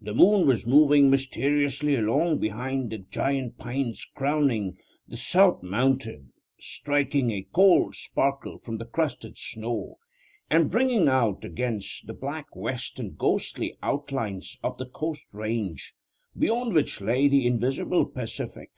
The moon was moving mysteriously along behind the giant pines crowning the South Mountain, striking a cold sparkle from the crusted snow, and bringing out against the black west and ghostly outlines of the Coast Range, beyond which lay the invisible Pacific.